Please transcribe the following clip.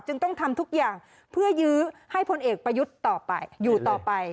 ต้องทำทุกอย่างเพื่อยื้อให้พลเอกประยุทธ์ต่อไปอยู่ต่อไป